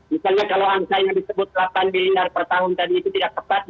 misalnya kalau angka yang disebut delapan miliar per tahun tadi itu tidak tepat